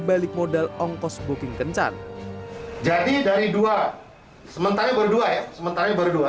balik modal ongkos booking kencan jadi dari dua sementara berdua ya sementara baru dua